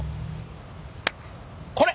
これ！